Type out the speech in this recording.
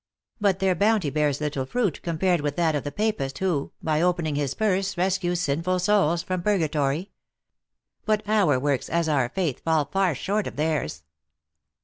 But their bounty bears little fruit, compared with that of the Papist, who, by opening his purse, rescues sinful souls from purgatory. But our works, as our faith, fall far short of theirs."